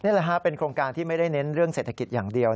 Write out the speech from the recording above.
นี่แหละฮะเป็นโครงการที่ไม่ได้เน้นเรื่องเศรษฐกิจอย่างเดียว